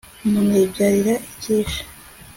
umuntu yibyarira ikishi